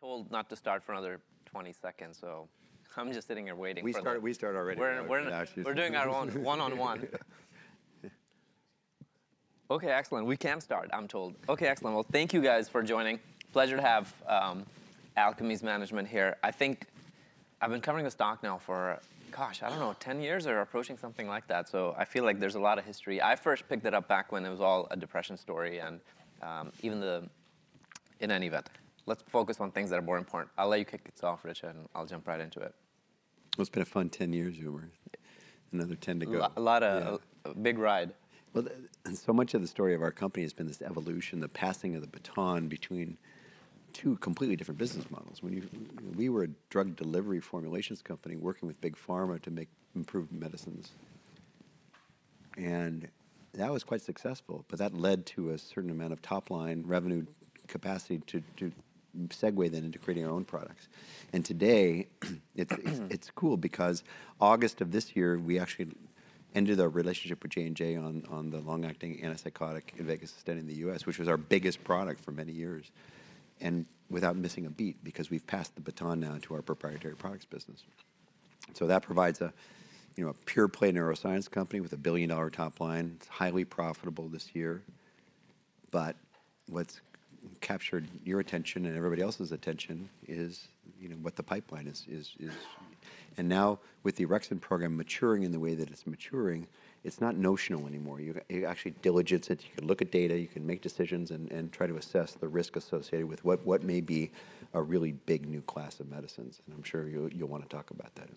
Told not to start for another 20 seconds, so I'm just sitting here waiting. We start already. We're doing our own one-on-one. OK, excellent. We can start, I'm told. OK, excellent. Well, thank you, guys, for joining. Pleasure to have Alkermes Management here. I think I've been covering this doc now for, gosh, I don't know, 10 years or approaching something like that. So I feel like there's a lot of history. I first picked it up back when it was all a depression story. In any event, let's focus on things that are more important. I'll let you kick it off, Richard, and I'll jump right into it. It's been a fun 10 years, Umer. Another 10 to go. A lot of big ride. So much of the story of our company has been this evolution, the passing of the baton between two completely different business models. We were a drug delivery formulations company working with big pharma to make improved medicines. And that was quite successful. But that led to a certain amount of top-line revenue capacity to segue then into creating our own products. And today, it's cool because August of this year, we actually ended our relationship with J&J on the long-acting antipsychotic Invega Sustenna in the U.S., which was our biggest product for many years, without missing a beat, because we've passed the baton now to our proprietary products business. So that provides a pure-play neuroscience company with a billion-dollar top line. It's highly profitable this year. But what's captured your attention and everybody else's attention is what the pipeline is. And now, with the orexin program maturing in the way that it's maturing, it's not notional anymore. You actually diligence it. You can look at data. You can make decisions and try to assess the risk associated with what may be a really big new class of medicines. And I'm sure you'll want to talk about that.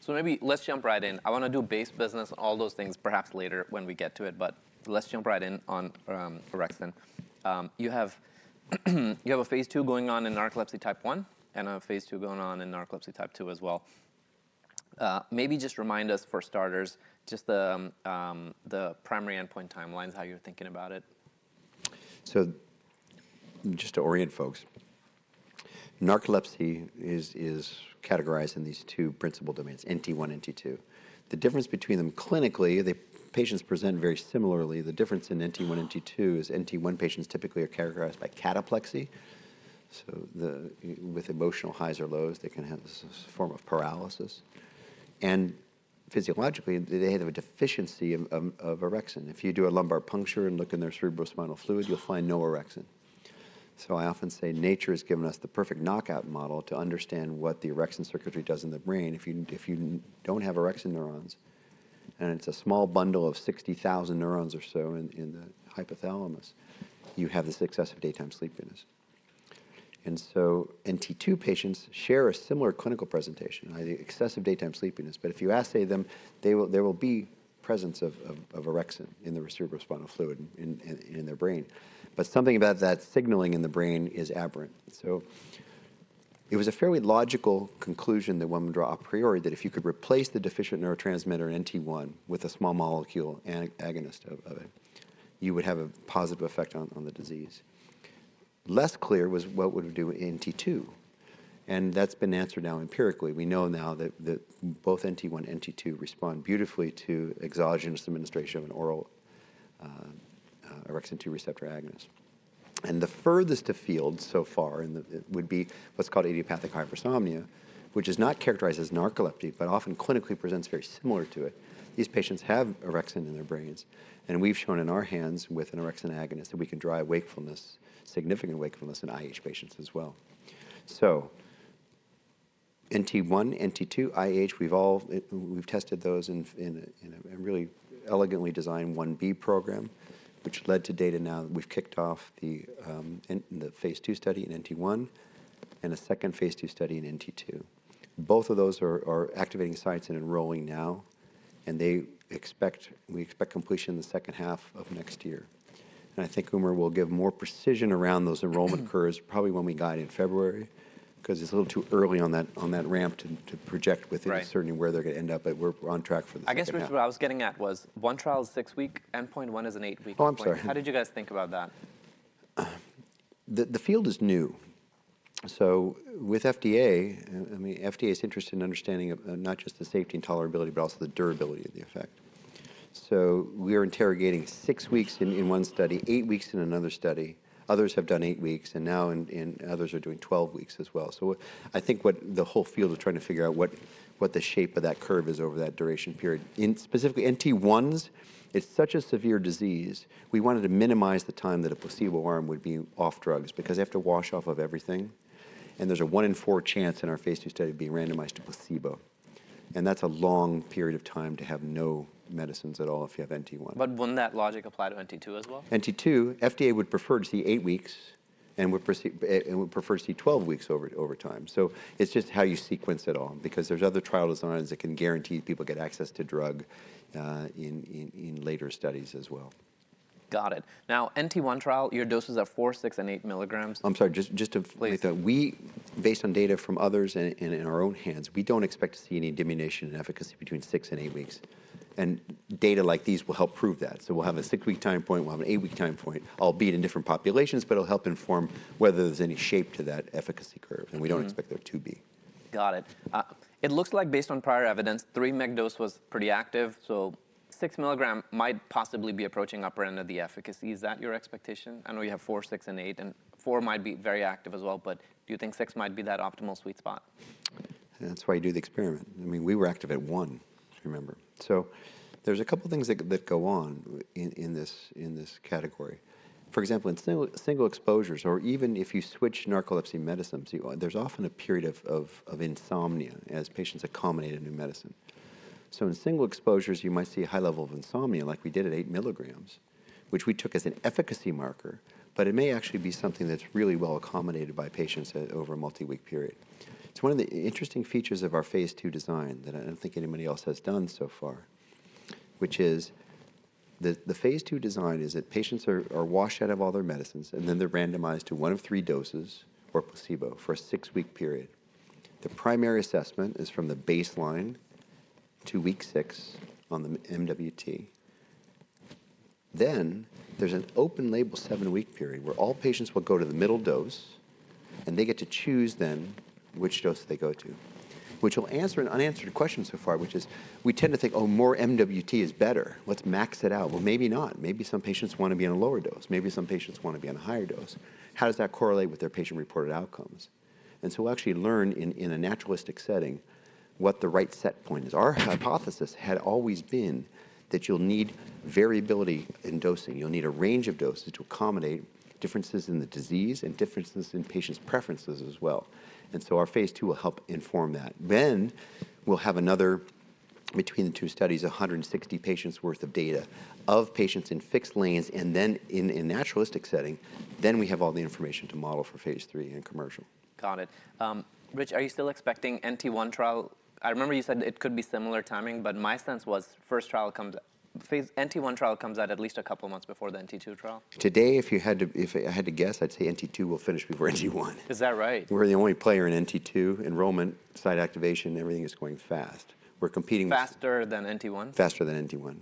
So maybe let's jump right in. I want to do base business, all those things, perhaps later when we get to it. But let's jump right in on Orexin. You have a phase 2 going on in narcolepsy type 1 and a phase 2 going on in narcolepsy type 2 as well. Maybe just remind us, for starters, just the primary endpoint timelines, how you're thinking about it? Just to orient folks, narcolepsy is categorized in these two principal domains, NT1 and NT2. The difference between them clinically, the patients present very similarly. The difference in NT1 and NT2 is NT1 patients typically are characterized by cataplexy. So with emotional highs or lows, they can have this form of paralysis. And physiologically, they have a deficiency of orexin. If you do a lumbar puncture and look in their cerebrospinal fluid, you'll find no orexin. So I often say nature has given us the perfect knockout model to understand what the orexin circuitry does in the brain. If you don't have orexin neurons, and it's a small bundle of 60,000 neurons or so in the hypothalamus, you have this excessive daytime sleepiness. And so NT2 patients share a similar clinical presentation, i.e., excessive daytime sleepiness. But if you assay them, there will be presence of orexin in the cerebrospinal fluid in their brain. But something about that signaling in the brain is aberrant. It was a fairly logical conclusion that one would draw a priori that if you could replace the deficient neurotransmitter NT1 with a small molecule agonist of it, you would have a positive effect on the disease. Less clear was what would we do in NT2. That's been answered now empirically. We know now that both NT1 and NT2 respond beautifully to exogenous administration of an oral orexin 2 receptor agonist. The furthest afield so far would be what's called idiopathic hypersomnia, which is not characterized as narcoleptic, but often clinically presents very similar to it. These patients have orexin in their brains. And we've shown in our hands with an orexin agonist that we can drive significant wakefulness in IH patients as well. So NT1, NT2, IH, we've tested those in a really elegantly designed 1b program, which led to data now that we've kicked off the phase 2 study in NT1 and a second phase 2 study in NT2. Both of those are activating sites and enrolling now. And we expect completion in the second half of next year. And I think Umer will give more precision around those enrollment curves, probably when we guide in February, because it's a little too early on that ramp to project within certainly where they're going to end up. But we're on track for the first half. I guess what I was getting at was one trial is six weeks. Endpoint one is an eight-week. Oh, I'm sorry. How did you guys think about that? The field is new. So with FDA, I mean, FDA is interested in understanding not just the safety and tolerability, but also the durability of the effect. So we are interrogating six weeks in one study, eight weeks in another study. Others have done eight weeks. And now others are doing 12 weeks as well. So I think what the whole field is trying to figure out, what the shape of that curve is over that duration period. Specifically, NT1s, it is such a severe disease, we wanted to minimize the time that a placebo arm would be off drugs because they have to wash off of everything. And there is a one in four chance in our phase two study of being randomized to placebo. And that is a long period of time to have no medicines at all if you have NT1. But wouldn't that logic apply to NT2 as well? NT2, FDA would prefer to see eight weeks and would prefer to see 12 weeks over time. So it's just how you sequence it all, because there's other trial designs that can guarantee people get access to drug in later studies as well. Got it. Now, NT1 trial, your doses are four, six, and eight milligrams. I'm sorry. Just to make that, based on data from others and in our own hands, we don't expect to see any diminution in efficacy between six and eight weeks. And data like these will help prove that. So we'll have a six-week time point. We'll have an eight-week time point, albeit in different populations. But it'll help inform whether there's any shape to that efficacy curve. And we don't expect there to be. Got it. It looks like, based on prior evidence, three mg dose was pretty active. So six milligram might possibly be approaching the upper end of the efficacy. Is that your expectation? I know you have four, six, and eight. And four might be very active as well. But do you think six might be that optimal sweet spot? That's why you do the experiment. I mean, we were active at one, remember. So there's a couple of things that go on in this category. For example, in single exposures, or even if you switch narcolepsy medicines, there's often a period of insomnia as patients accommodate a new medicine. So in single exposures, you might see a high level of insomnia like we did at eight milligrams, which we took as an efficacy marker. But it may actually be something that's really well accommodated by patients over a multi-week period. It's one of the interesting features of our phase 2 design that I don't think anybody else has done so far, which is that patients are washed out of all their medicines, and then they're randomized to one of three doses or placebo for a six-week period. The primary assessment is from the baseline to week six on the MWT. Then there's an open-label seven-week period where all patients will go to the middle dose. And they get to choose then which dose they go to, which will answer an unanswered question so far, which is we tend to think, oh, more MWT is better. Let's max it out. Well, maybe not. Maybe some patients want to be on a lower dose. Maybe some patients want to be on a higher dose. How does that correlate with their patient-reported outcomes? And so we'll actually learn in a naturalistic setting what the right set point is. Our hypothesis had always been that you'll need variability in dosing. You'll need a range of doses to accommodate differences in the disease and differences in patients' preferences as well. And so our phase 2 will help inform that. Then we'll have another, between the two studies, 160 patients' worth of data of patients in fixed lanes. And then in a naturalistic setting, then we have all the information to model for phase 3 and commercial. Got it. Richard, are you still expecting NT1 trial? I remember you said it could be similar timing. But my sense was NT1 trial comes out at least a couple of months before the NT2 trial. Today, if I had to guess, I'd say NT2 will finish before NT1. Is that right? We're the only player in NT2. Enrollment, site activation, everything is going fast. We're competing. Faster than NT1? Faster than NT1.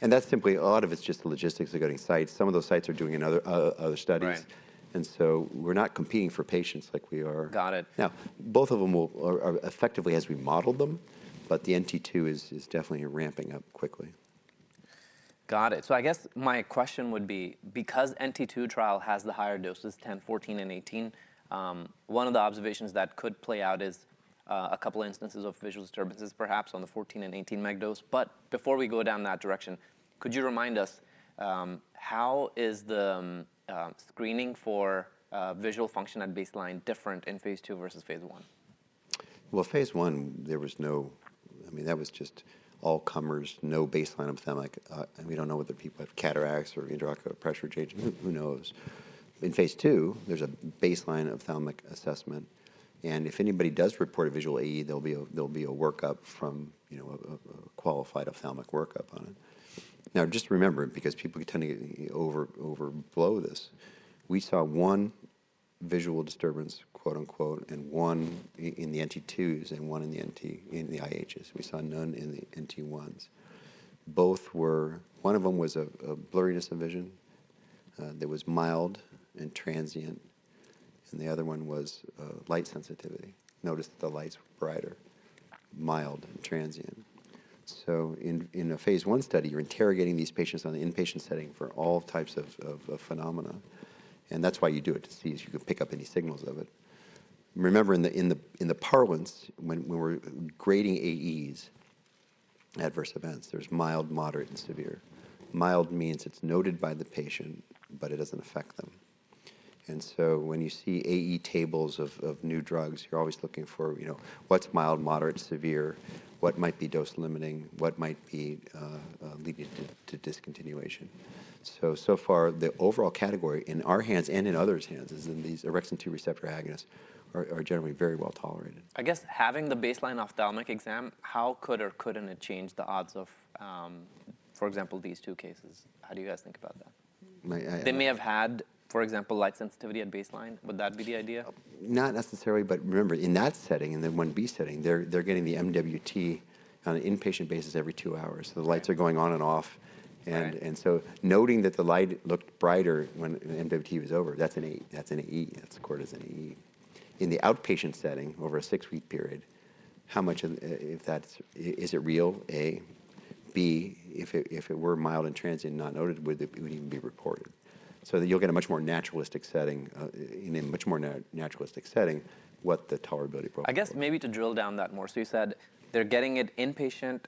And that's simply a lot of it's just the logistics of getting sites. Some of those sites are doing other studies. And so we're not competing for patients like we are. Got it. Now, both of them are effectively as we modeled them, but the NT2 is definitely ramping up quickly. Got it. So I guess my question would be, because NT2 trial has the higher doses, 10, 14, and 18, one of the observations that could play out is a couple of instances of visual disturbances, perhaps, on the 14 and 18 mg dose. But before we go down that direction, could you remind us, how is the screening for visual function at baseline different in phase 2 versus phase 1? Phase 1, there was no. I mean, that was just all comers, no baseline ophthalmic. And we don't know whether people have cataracts or intraocular pressure change. Who knows? In phase 2, there's a baseline ophthalmic assessment. And if anybody does report a visual AE, there'll be a workup from a qualified ophthalmic workup on it. Now, just remember, because people tend to overblow this, we saw one visual disturbance, quote unquote, and one in the NT2s and one in the IHs. We saw none in the NT1s. Both were. One of them was a blurriness of vision. That was mild and transient. And the other one was light sensitivity. Notice that the lights were brighter, mild, and transient. So in a phase 1 study, you're interrogating these patients on an inpatient setting for all types of phenomena. And that's why you do it, to see if you can pick up any signals of it. Remember, in the parlance, when we're grading AEs, adverse events, there's mild, moderate, and severe. Mild means it's noted by the patient, but it doesn't affect them. And so when you see AE tables of new drugs, you're always looking for what's mild, moderate, severe, what might be dose limiting, what might be leading to discontinuation. So far, the overall category in our hands and in others' hands is that these orexin 2 receptor agonists are generally very well tolerated. I guess having the baseline ophthalmic exam, how could or couldn't it change the odds of, for example, these two cases? How do you guys think about that? They may have had, for example, light sensitivity at baseline. Would that be the idea? Not necessarily. But remember, in that setting, in the 1B setting, they're getting the MWT on an inpatient basis every two hours. So the lights are going on and off. And so noting that the light looked brighter when MWT was over, that's an AE. That's a quarter as an AE. In the outpatient setting, over a six-week period, how much of that is it real? A. B. If it were mild and transient and not noted, it wouldn't even be reported. So you'll get a much more naturalistic setting, in a much more naturalistic setting, what the tolerability profile is. I guess maybe to drill down that more. So you said they're getting it inpatient.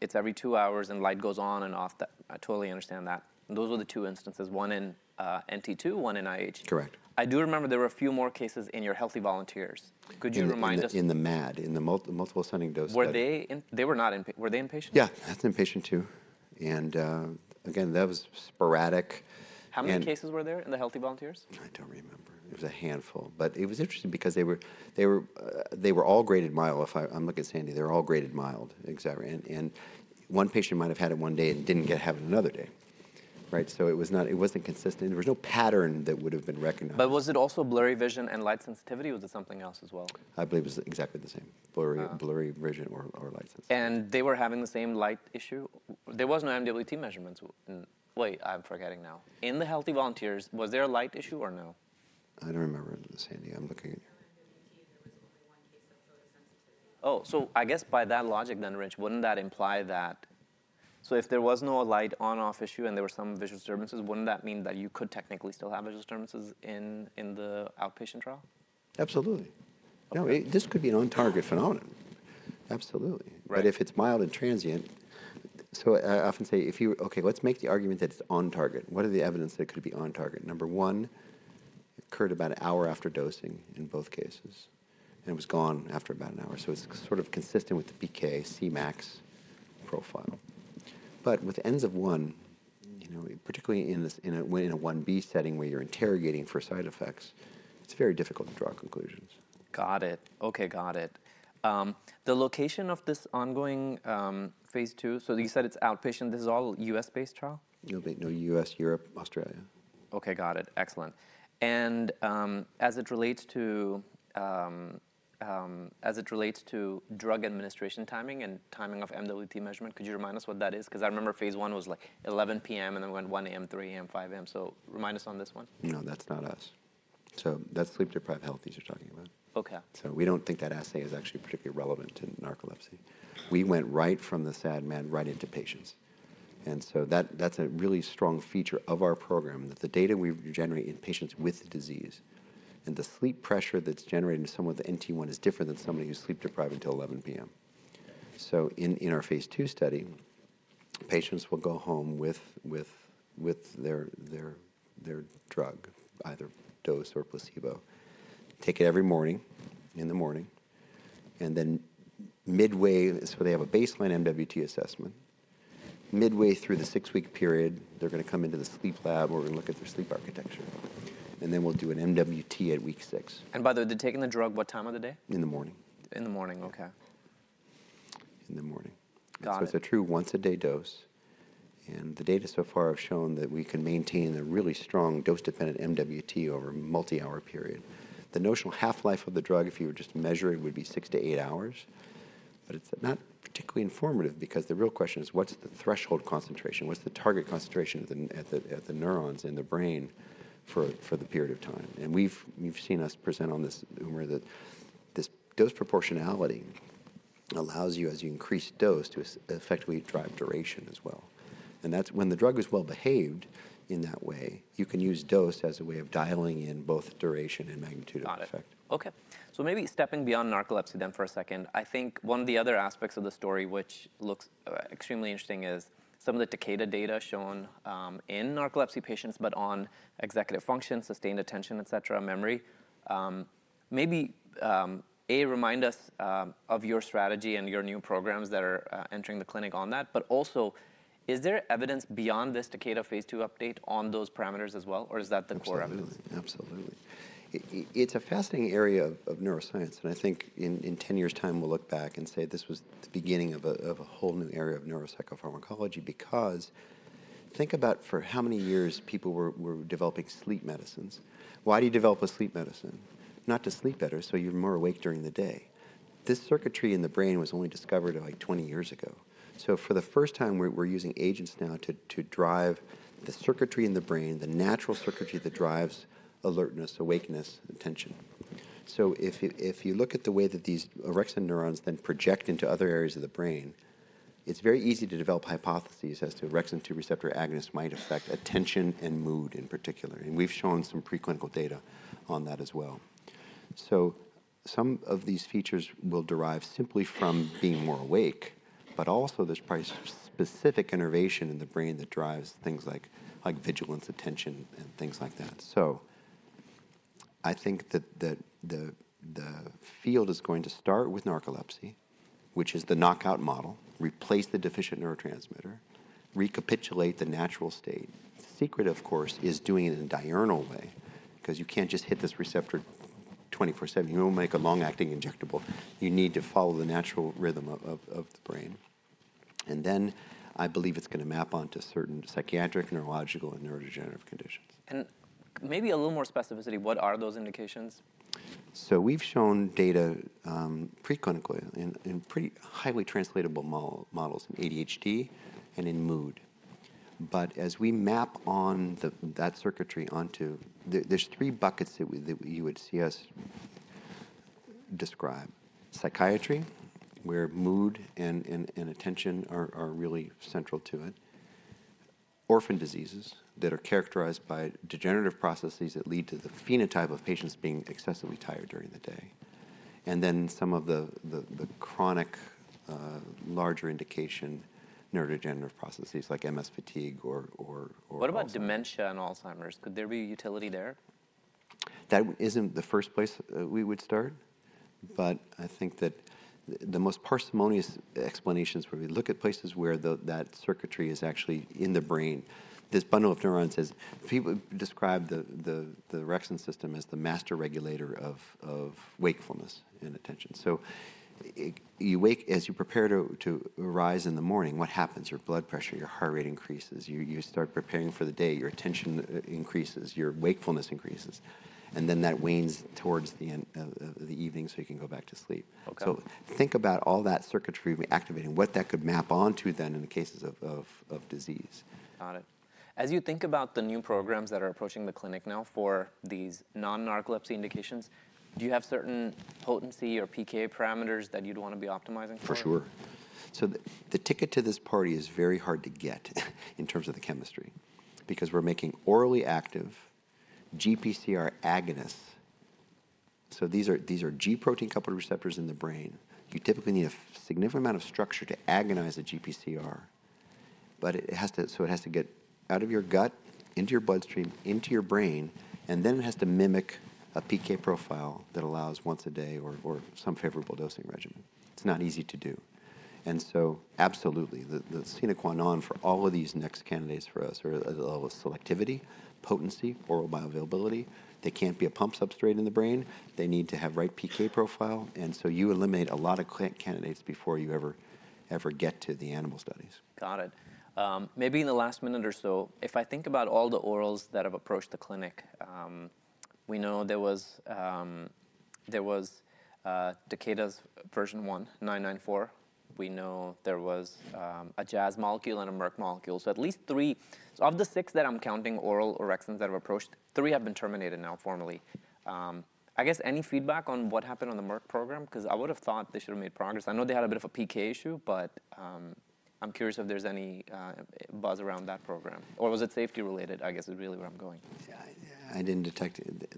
It's every two hours. And light goes on and off. I totally understand that. Those were the two instances, one in NT2, one in IH. Correct. I do remember there were a few more cases in your healthy volunteers. Could you remind us? In the MAD, in the multiple ascending dose study. Were they not inpatient? Yeah. That's inpatient too. And again, that was sporadic. How many cases were there in the healthy volunteers? I don't remember. It was a handful. But it was interesting because they were all graded mild. If I look at Sandy, they're all graded mild. And one patient might have had it one day and didn't have it another day. Right? So it wasn't consistent. There was no pattern that would have been recognized. But was it also blurry vision and light sensitivity? Or was it something else as well? I believe it was exactly the same, blurry vision or light sensitivity. They were having the same light issue? There was no MWT measurements. Wait, I'm forgetting now. In the healthy volunteers, was there a light issue or no? I don't remember, Sandy. I'm looking at you. There was only one case of photosensitivity. Oh, so I guess by that logic then, Rich, wouldn't that imply that so if there was no light on/off issue and there were some visual disturbances, wouldn't that mean that you could technically still have visual disturbances in the outpatient trial? Absolutely. This could be an on-target phenomenon. Absolutely. But if it's mild and transient, so I often say, OK, let's make the argument that it's on target. What are the evidence that it could be on target? Number one, it occurred about an hour after dosing in both cases, and it was gone after about an hour, so it's sort of consistent with the PK Cmax profile. But with the Ns of 1, particularly in a 1B setting where you're interrogating for side effects, it's very difficult to draw conclusions. Got it. OK, got it. The location of this ongoing phase 2, so you said it's outpatient. This is all U.S.-based trial? No, U.S., Europe, Australia. OK, got it. Excellent. And as it relates to drug administration timing and timing of MWT measurement, could you remind us what that is? Because I remember phase 1 was like 11:00 P.M. and then we went 1:00 A.M., 3:00 A.M., 5:00 A.M. So remind us on this one. No, that's not us. That's sleep-deprived healthy that they're talking about, so we don't think that assay is actually particularly relevant to narcolepsy. We went right from the SAD/MAD right into patients, and so that's a really strong feature of our program, that the data we generate in patients with the disease and the sleep pressure that's generated in someone with NT1 is different than somebody who's sleep-deprived until 11:00 P.M. In our phase 2 study, patients will go home with their drug, either dose or placebo, take it every morning in the morning, and then midway, so they have a baseline MWT assessment. Midway through the six-week period, they're going to come into the sleep lab where we're going to look at their sleep architecture, and then we'll do an MWT at week six. And by the way, they're taking the drug what time of the day? In the morning. In the morning, OK. In the morning. So it's a true once-a-day dose. And the data so far have shown that we can maintain a really strong dose-dependent MWT over a multi-hour period. The notional half-life of the drug, if you were just to measure it, would be six-to-eight hours. But it's not particularly informative because the real question is, what's the threshold concentration? What's the target concentration at the neurons in the brain for the period of time? And we've seen Umer present on this that this dose proportionality allows you, as you increase dose, to effectively drive duration as well. And that's when the drug is well behaved in that way, you can use dose as a way of dialing in both duration and magnitude of effect. Got it. OK. So maybe stepping beyond narcolepsy then for a second, I think one of the other aspects of the story, which looks extremely interesting, is some of the Takeda data shown in narcolepsy patients, but on executive function, sustained attention, et cetera, memory. Maybe, A, remind us of your strategy and your new programs that are entering the clinic on that. But also, is there evidence beyond this Takeda phase 2 update on those parameters as well? Or is that the core? Absolutely. Absolutely. It's a fascinating area of neuroscience, and I think in 10 years' time, we'll look back and say this was the beginning of a whole new area of neuropsychopharmacology. Because think about for how many years people were developing sleep medicines. Why do you develop a sleep medicine? Not to sleep better, so you're more awake during the day. This circuitry in the brain was only discovered like 20 years ago, so for the first time, we're using agents now to drive the circuitry in the brain, the natural circuitry that drives alertness, wakefulness, attention, so if you look at the way that these orexin neurons then project into other areas of the brain, it's very easy to develop hypotheses as to orexin 2 receptor agonists might affect attention and mood in particular, and we've shown some preclinical data on that as well. So some of these features will derive simply from being more awake. But also, there's probably specific innervation in the brain that drives things like vigilance, attention, and things like that. So I think that the field is going to start with narcolepsy, which is the knockout model, replace the deficient neurotransmitter, recapitulate the natural state. The secret, of course, is doing it in a diurnal way. Because you can't just hit this receptor 24/7. You don't make a long-acting injectable. You need to follow the natural rhythm of the brain. And then I believe it's going to map onto certain psychiatric, neurological, and neurodegenerative conditions. Maybe a little more specificity, what are those indications? So we've shown data preclinically in pretty highly translatable models in ADHD and in mood. But as we map on that circuitry onto, there's three buckets that you would see us describe: psychiatry, where mood and attention are really central to it. Orphan diseases that are characterized by degenerative processes that lead to the phenotype of patients being excessively tired during the day. And then some of the chronic, larger indication neurodegenerative processes like MS fatigue or. What about dementia and Alzheimer's? Could there be utility there? That isn't the first place we would start. But I think that the most parsimonious explanations where we look at places where that circuitry is actually in the brain, this bundle of neurons is described the Orexin system as the master regulator of wakefulness and attention. So you wake, as you prepare to arise in the morning, what happens? Your blood pressure, your heart rate increases. You start preparing for the day. Your attention increases. Your wakefulness increases. And then that wanes towards the evening so you can go back to sleep. So think about all that circuitry activating, what that could map onto then in the cases of disease. Got it. As you think about the new programs that are approaching the clinic now for these non-narcolepsy indications, do you have certain potency or PK parameters that you'd want to be optimizing for? For sure. So the ticket to this party is very hard to get in terms of the chemistry. Because we're making orally active GPCR agonists. So these are G protein-coupled receptors in the brain. You typically need a significant amount of structure to agonize a GPCR. So it has to get out of your gut, into your bloodstream, into your brain. And then it has to mimic a PK profile that allows once a day or some favorable dosing regimen. It's not easy to do. And so absolutely, the sine qua non for all of these next candidates for us are the level of selectivity, potency, oral bioavailability. They can't be a pump substrate in the brain. They need to have right PK profile. And so you eliminate a lot of candidates before you ever get to the animal studies. Got it. Maybe in the last minute or so, if I think about all the orals that have approached the clinic, we know there was Takeda's version 1, 994. We know there was a Jazz molecule and a Merck molecule. So at least three, of the six that I'm counting oral orexins that have approached, three have been terminated now formally. I guess any feedback on what happened on the Merck program? Because I would have thought they should have made progress. I know they had a bit of a PK issue. But I'm curious if there's any buzz around that program. Or was it safety related, I guess, is really where I'm going? I didn't detect it.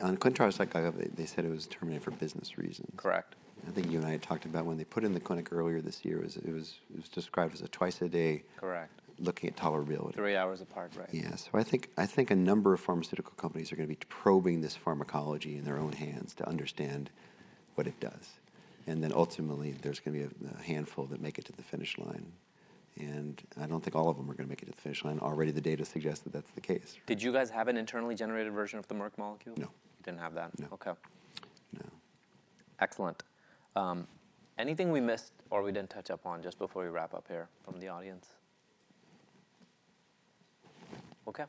In contrast, they said it was terminated for business reasons. Correct. I think you and I had talked about when they put it in the clinic earlier this year, it was described as a twice-a-day looking at tolerability. Correct. Three hours apart, right? Yeah. So I think a number of pharmaceutical companies are going to be probing this pharmacology in their own hands to understand what it does. And then ultimately, there's going to be a handful that make it to the finish line. And I don't think all of them are going to make it to the finish line. Already, the data suggests that that's the case. Did you guys have an internally generated version of the Merck molecule? No. Didn't have that? No. OK. No. Excellent. Anything we missed or we didn't touch upon just before we wrap up here from the audience? OK.